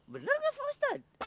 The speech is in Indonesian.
bener gak pak ustadz